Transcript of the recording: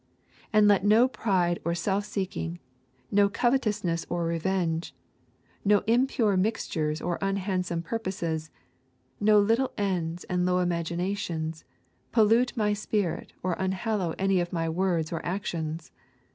And let no pride or self seeking, no covetousness or revenge, no impure mixtures or unhandsome purposes, no little ends and low imaginations, pollute my spirit or unhallow any of my words or actions.